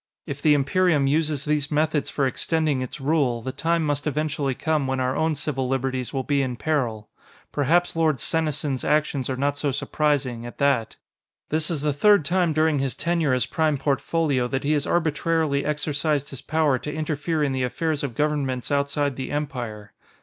If the Imperium uses these methods for extending its rule, the time must eventually come when our own civil liberties will be in peril. Perhaps Lord Senesin's actions are not so surprising, at that. This is the third time during his tenure as Prime Portfolio that he has arbitrarily exercised his power to interfere in the affairs of governments outside the Empire.